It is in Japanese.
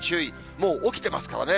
もう起きてますからね。